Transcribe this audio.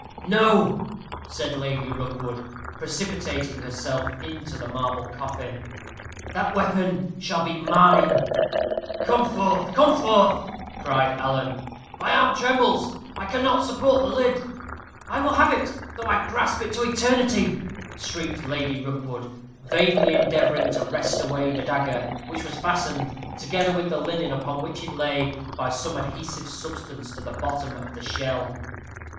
"No," said Lady Rookwood, precipitating herself into the marble coffin. "That weapon shall be mine." "Come forth come forth," cried Alan. "My arm trembles I cannot support the lid." "I will have it, though I grasp it to eternity," shrieked Lady Rookwood, vainly endeavoring to wrest away the dagger, which was fastened, together with the linen upon which it lay, by some adhesive substance to the bottom of the shell.